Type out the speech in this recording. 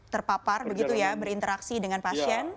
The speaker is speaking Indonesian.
terpapar begitu ya berinteraksi dengan pasien